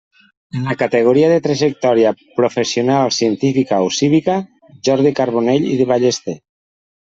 En la categoria de trajectòria professional, científica o cívica, Jordi Carbonell i de Ballester.